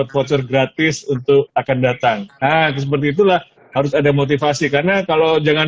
voucher gratis untuk akan datang nah seperti itulah harus ada motivasi karena kalau jangan